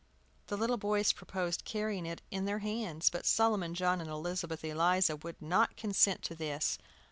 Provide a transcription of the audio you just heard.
The little boys proposed carrying it in their hands; but Solomon John and Elizabeth Eliza would not consent to this.